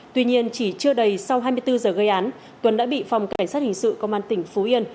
tuy nhiên chỉ chưa đầy sau hai mươi bốn giờ gây án tuấn đã bị phòng cảnh sát hình sự công an tỉnh phú yên